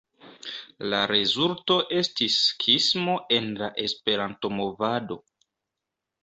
La rezulto estis skismo en la esperanto-movado.